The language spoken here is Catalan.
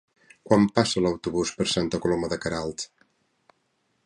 Quan passa l'autobús per Santa Coloma de Queralt?